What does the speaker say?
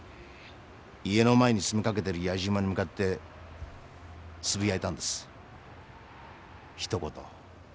家の前に詰めかけてるやじ馬に向かってつぶやいたんですひと言。